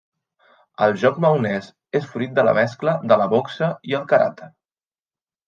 El joc maonès és fruit de la mescla de la boxa i el karate.